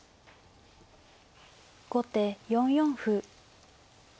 後手４四歩。